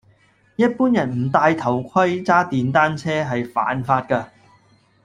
一般人唔戴頭盔揸電單車係犯法㗎